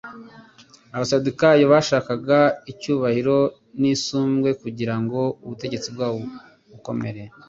Abasadukayo bashakaga icyubahiro n'isumbwe kugira ngo ubutegetsi bwabo bukomere.